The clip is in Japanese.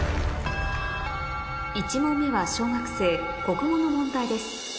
１問目は小学生国語の問題です